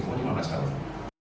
makanya harus disatukan